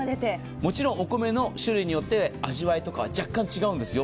もちろんお米の種類によって味わいとか若干違うんですよ。